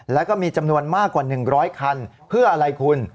แล้วก็มีจำนวนมากกว่า๑๐๐คันเพื่ออะไรคุณ